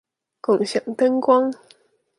共享燈光